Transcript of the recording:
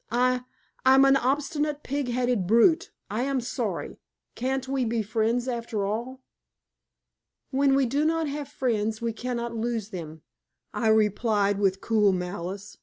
"I I'm an obstinate, pig headed brute. I am sorry. Can't we be friends, after all?" "'When we do not have friends we can not lose them,'" I replied with cool malice.